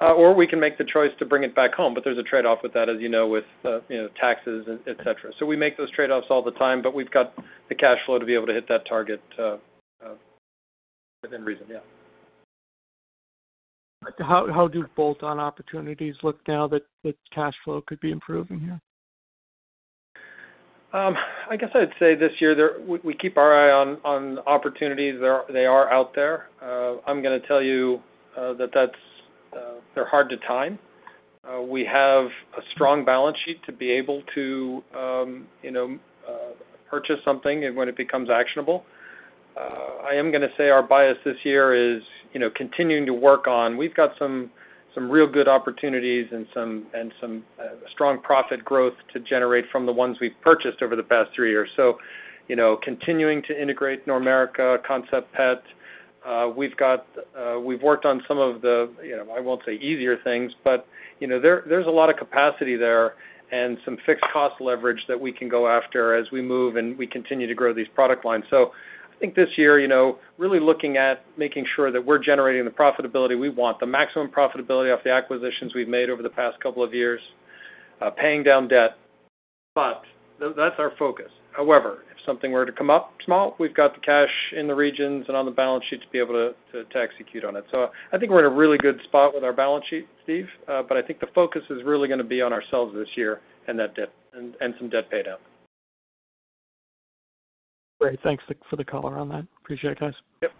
or we can make the choice to bring it back home. There's a trade-off with that, as you know, with, you know, taxes, et cetera. We make those trade-offs all the time, but we've got the cash flow to be able to hit that target, within reason, yeah. How do bolt-on opportunities look now that cash flow could be improving here? I guess I'd say this year we keep our eye on opportunities. They are out there. I'm gonna tell you that's hard to time. We have a strong balance sheet to be able to, you know, purchase something and when it becomes actionable. I am gonna say our bias this year is, you know, continuing to work on... We've got some real good opportunities and some strong profit growth to generate from the ones we've purchased over the past three years. You know, continuing to integrate Normerica, Concept Pet. We've got, we've worked on some of the, you know, I won't say easier things, but, you know, there's a lot of capacity there and some fixed cost leverage that we can go after as we move, and we continue to grow these product lines. I think this year, you know, really looking at making sure that we're generating the profitability we want, the maximum profitability off the acquisitions we've made over the past couple of years, paying down debt. That's our focus. However, if something were to come up tomorrow, we've got the cash in the regions and on the balance sheet to be able to execute on it. I think we're in a really good spot with our balance sheet, Steve. I think the focus is really gonna be on ourselves this year and some debt pay down. Great. Thanks for the color on that. Appreciate it, guys. Yep.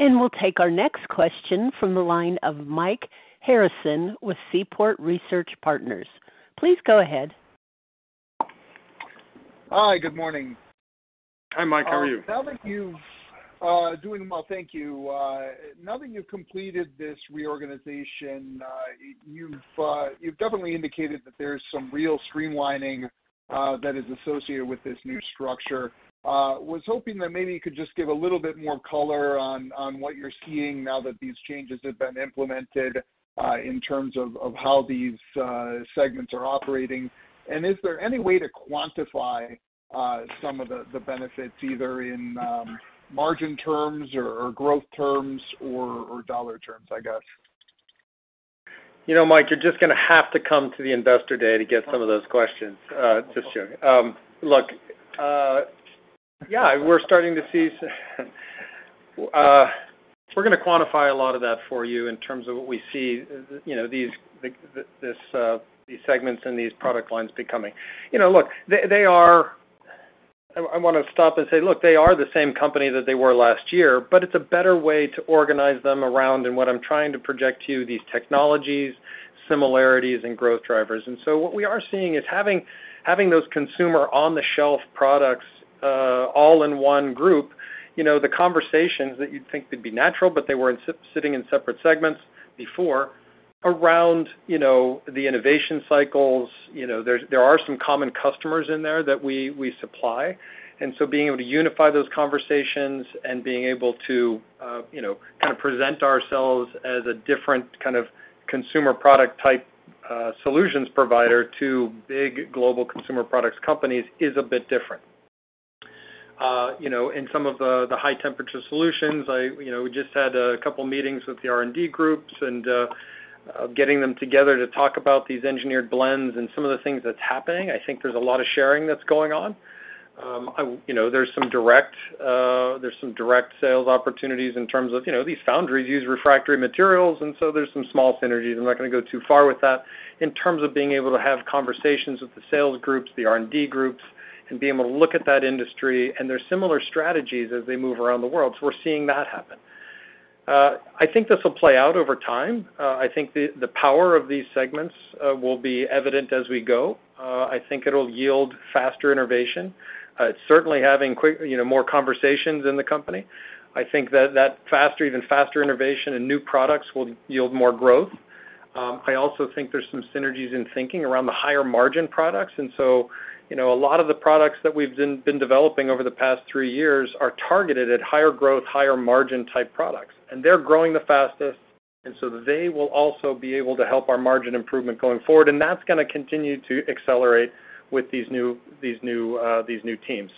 We'll take our next question from the line of Mike Harrison with Seaport Research Partners. Please go ahead. Hi, good morning. Hi, Mike. How are you? Doing well, thank you. Now that you've completed this reorganization, you've definitely indicated that there's some real streamlining that is associated with this new structure. Was hoping that maybe you could just give a little bit more color on what you're seeing now that these changes have been implemented in terms of how these segments are operating. Is there any way to quantify some of the benefits, either in margin terms or growth terms or dollar terms, I guess? You know, Mike, you're just gonna have to come to the investor day to get some of those questions. Just joking. Look, yeah, we're starting to see. We're gonna quantify a lot of that for you in terms of what we see, you know, these, this, these segments and these product lines becoming. You know, look, they are. I want to stop and say, look, they are the same company that they were last year, but it's a better way to organize them around, and what I'm trying to project to you, these technologies, similarities, and growth drivers. What we are seeing is having those consumer on-the-shelf products, all in one group, you know, the conversations that you'd think would be natural, but they weren't sitting in separate segments before around, you know, the innovation cycles. You know, there are some common customers in there that we supply. Being able to unify those conversations and being able to, you know, kind of present ourselves as a different kind of consumer product type solutions provider to big global consumer products companies is a bit different. You know, in some of the high temperature solutions, you know, we just had a couple meetings with the R&D groups and getting them together to talk about these Engineered Blends and some of the things that's happening. I think there's a lot of sharing that's going on. You know, there's some direct, there's some direct sales opportunities in terms of, you know, these foundries use refractory materials, and so there's some small synergies. I'm not gonna go too far with that. In terms of being able to have conversations with the sales groups, the R&D groups, and being able to look at that industry, and there's similar strategies as they move around the world. We're seeing that happen. I think this will play out over time. I think the power of these segments will be evident as we go. I think it'll yield faster innovation. It's certainly having quick, you know, more conversations in the company. I think that faster, even faster innovation and new products will yield more growth. I also think there's some synergies in thinking around the higher margin products. You know, a lot of the products that we've been developing over the past three years are targeted at higher growth, higher margin type products. They're growing the fastest. They will also be able to help our margin improvement going forward. That's gonna continue to accelerate with these new teams.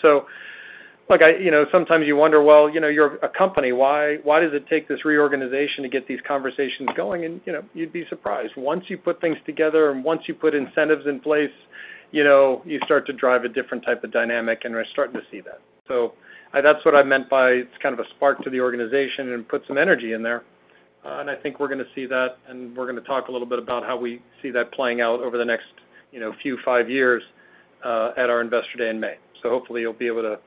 Look, I, you know, sometimes you wonder, well, you know, you're a company, why does it take this reorganization to get these conversations going? You know, you'd be surprised. Once you put things together and once you put incentives in place, you know, you start to drive a different type of dynamic. We're starting to see that. That's what I meant by it's kind of a spark to the organization and put some energy in there. I think we're gonna see that, and we're gonna talk a little bit about how we see that playing out over the next, you know, few 5 years at our investor day in May. Hopefully you'll be able to at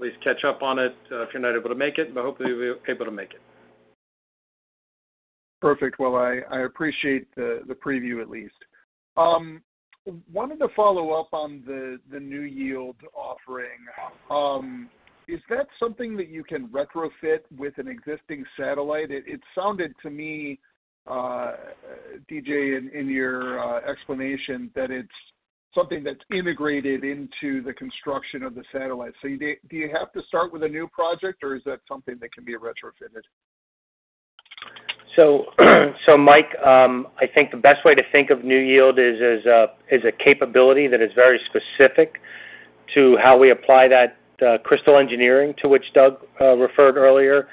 least catch up on it, if you're not able to make it, but hopefully you'll be able to make it. Perfect. I appreciate the preview at least. Wanted to follow up on the NEWYIELD offering. Is that something that you can retrofit with an existing satellite? It sounded to me, D.J., in your explanation that Something that's integrated into the construction of the satellite. Do you have to start with a new project, or is that something that can be retrofitted? Mike, I think the best way to think of NEWYIELD is a capability that is very specific to how we apply that Crystal Engineering to which Doug referred earlier.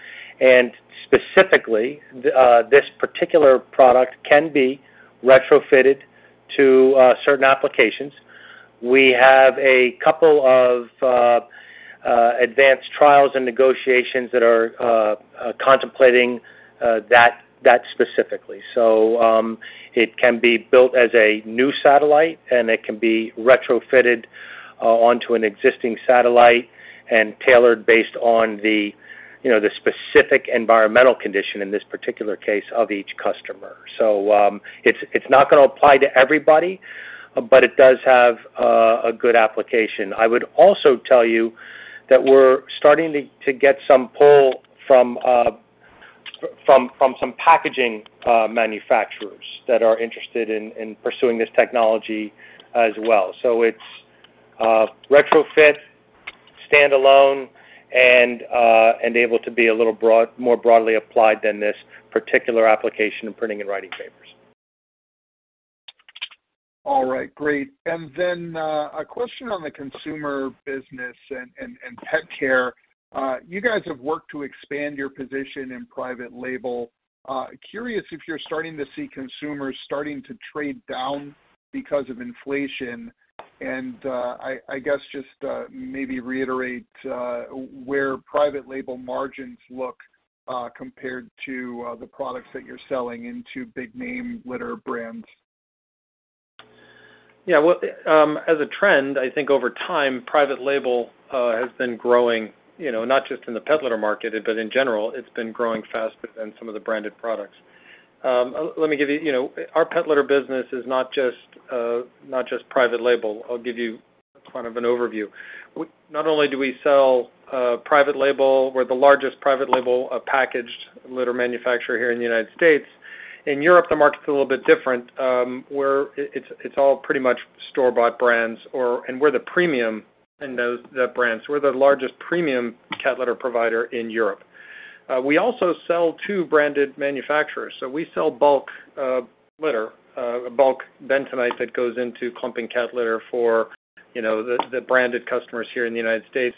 Specifically, this particular product can be retrofitted to certain applications. We have a couple of advanced trials and negotiations that are contemplating that specifically. It can be built as a new satellite, and it can be retrofitted onto an existing satellite and tailored based on the, you know, the specific environmental condition in this particular case of each customer. It's not gonna apply to everybody, but it does have a good application. I would also tell you that we're starting to get some pull from some packaging manufacturers that are interested in pursuing this technology as well. It's retrofit, standalone, and able to be a little more broadly applied than this particular application in printing and writing papers. All right. Great. A question on the consumer business and pet care. You guys have worked to expand your position in private label. Curious if you're starting to see consumers trade down because of inflation? I guess just, maybe reiterate, where private label margins look, compared to the products that you're selling into big name litter brands? Yeah. Well, as a trend, I think over time, private label has been growing, you know, not just in the pet litter market, but in general, it's been growing faster than some of the branded products. Let me give you... You know, our pet litter business is not just private label. I'll give you kind of an overview. Not only do we sell private label, we're the largest private label packaged litter manufacturer here in the United States. In Europe, the market's a little bit different, where it's all pretty much store-bought brands or... And we're the premium in those, the brands. We're the largest premium cat litter provider in Europe. We also sell to branded manufacturers. We sell bulk litter, bulk bentonite that goes into clumping cat litter for, you know, the branded customers here in the United States.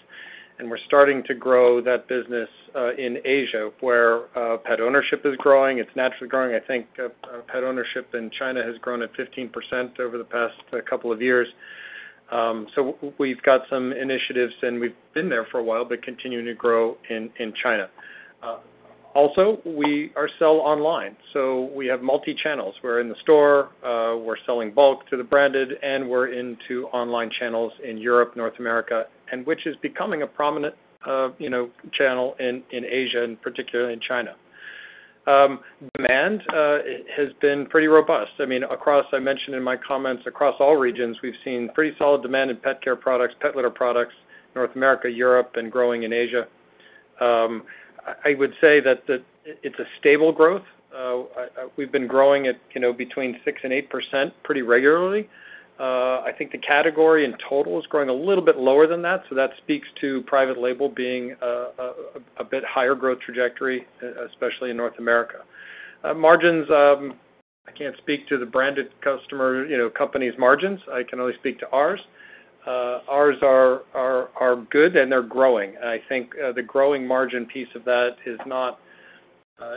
We're starting to grow that business in Asia, where pet ownership is growing. It's naturally growing. I think pet ownership in China has grown at 15% over the past couple of years. We've got some initiatives, and we've been there for a while, but continuing to grow in China. Also, we are sell online, so we have multi-channels. We're in the store, we're selling bulk to the branded, and we're into online channels in Europe, North America, and which is becoming a prominent, you know, channel in Asia, and particularly in China. Demand has been pretty robust. I mean, across, I mentioned in my comments, across all regions, we've seen pretty solid demand in pet care products, pet litter products, North America, Europe, and growing in Asia. I would say that. It's a stable growth. We've been growing at, you know, between 6% and 8% pretty regularly. I think the category in total is growing a little bit lower than that, so that speaks to private label being a bit higher growth trajectory, especially in North America. Margins, I can't speak to the branded customer, you know, company's margins. I can only speak to ours. Ours are good, and they're growing. I think the growing margin piece of that is not,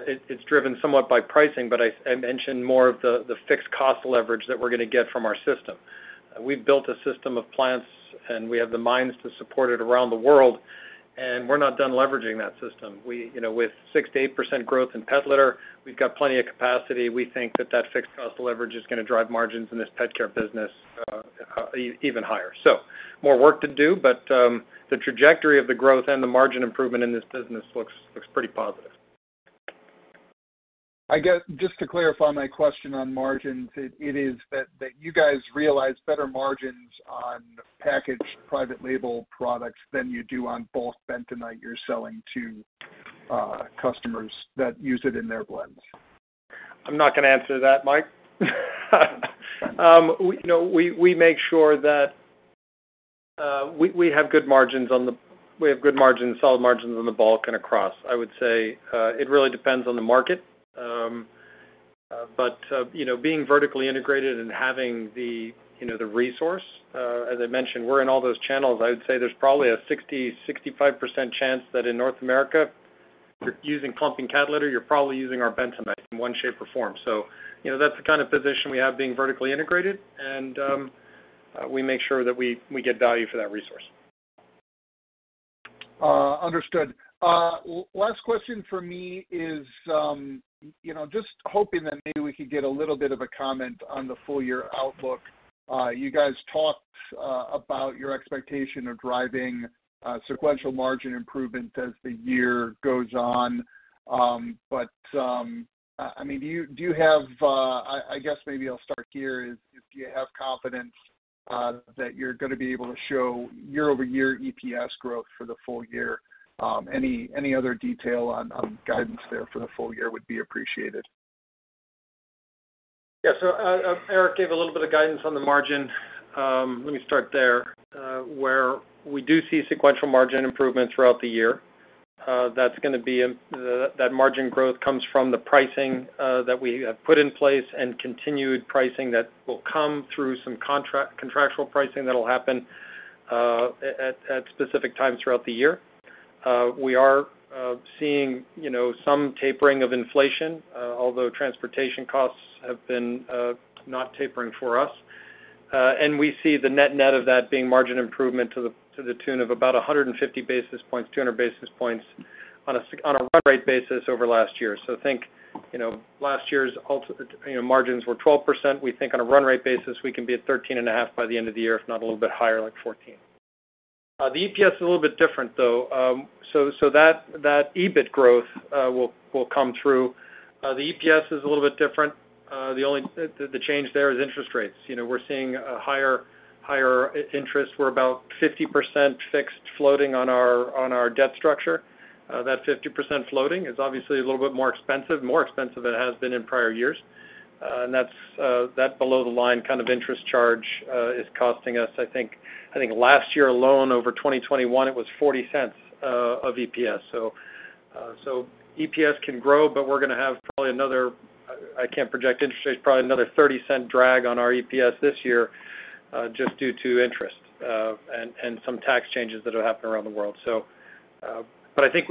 it's driven somewhat by pricing, but I mentioned more of the fixed cost leverage that we're gonna get from our system. We've built a system of plants, and we have the mines to support it around the world, and we're not done leveraging that system. We, you know, with 6%-8% growth in pet litter, we've got plenty of capacity. We think that fixed cost leverage is gonna drive margins in this pet care business even higher. More work to do, but the trajectory of the growth and the margin improvement in this business looks pretty positive. I guess, just to clarify my question on margins, it is that you guys realize better margins on packaged private label products than you do on bulk bentonite you're selling to customers that use it in their blends. I'm not gonna answer that, Mike. We make sure that we have good margins, solid margins on the bulk and across. I would say it really depends on the market. You know, being vertically integrated and having the, you know, the resource, as I mentioned, we're in all those channels. I would say there's probably a 60-65% chance that in North America, if you're using clumping cat litter, you're probably using our bentonite in one shape or form. You know, that's the kind of position we have being vertically integrated, and we make sure that we get value for that resource. Understood. last question from me is, you know, just hoping that maybe we could get a little bit of a comment on the full year outlook. You guys talked about your expectation of driving sequential margin improvement as the year goes on. I mean, do you have, I guess maybe I'll start here is, do you have confidence that you're gonna be able to show year-over-year EPS growth for the full year? Any other detail on guidance there for the full year would be appreciated. Erik gave a little bit of guidance on the margin. Let me start there, where we do see sequential margin improvement throughout the year. That's gonna be, that margin growth comes from the pricing that we have put in place and continued pricing that will come through some contract, contractual pricing that'll happen at specific times throughout the year. We are, you know, seeing some tapering of inflation, although transportation costs have been not tapering for us. We see the net-net of that being margin improvement to the tune of about 150 basis points, 200 basis points on a run rate basis over last year. Think, you know, last year's ultimate, you know, margins were 12%. We think on a run rate basis, we can be at 13 and a half by the end of the year, if not a little bit higher, like 14. The EPS is a little bit different, though. So that EBIT growth will come through. The EPS is a little bit different. The change there is interest rates. You know, we're seeing a higher interest. We're about 50% fixed floating on our debt structure. That 50% floating is obviously a little bit more expensive, more expensive than it has been in prior years. And that's that below the line kind of interest charge is costing us, I think last year alone, over 2021, it was $0.40 of EPS. EPS can grow, but we're gonna have probably another $0.30 drag on our EPS this year, just due to interest, and some tax changes that will happen around the world. I think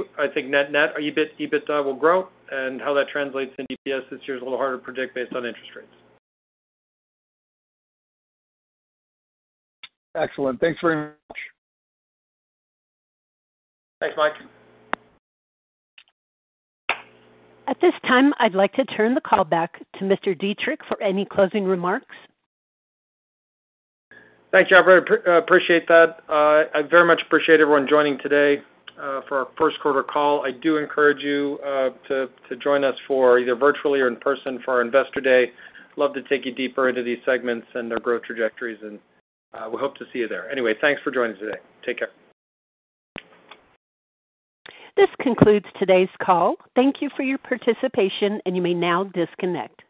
net-net or EBIT, EBITDA will grow and how that translates into EPS this year is a little harder to predict based on interest rates. Excellent. Thanks very much. Thanks, Mike. At this time, I'd like to turn the call back to Mr. Dietrich for any closing remarks. Thank you. I very appreciate that. I very much appreciate everyone joining today, for our first quarter call. I do encourage you to join us for either virtually or in person for our Investor Day. Love to take you deeper into these segments and their growth trajectories, and we hope to see you there. Anyway, thanks for joining today. Take care. This concludes today's call. Thank you for your participation, and you may now disconnect.